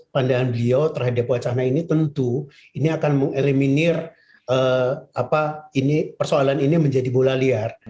pandangan beliau terhadap wacana ini tentu ini akan mengeliminir persoalan ini menjadi bola liar